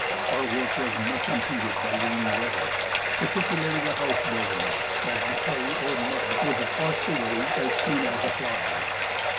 Our work was much impeded by rainy weather, particularly the house building, as the clay or mud was washed away as soon as applied.